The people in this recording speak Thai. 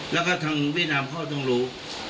แล้วก็ทางเวียดนามเขาต้องรู้